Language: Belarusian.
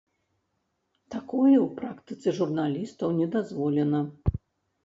Такое ў практыцы журналістаў не дазволена.